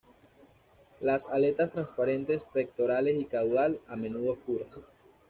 Las aletas transparentes, pectorales y caudal a menudo oscuras.